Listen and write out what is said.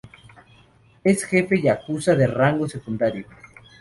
Es un jefe yakuza de rango secundario.